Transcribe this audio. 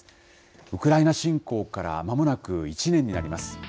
ウクライナ侵攻からまもなく１年になります。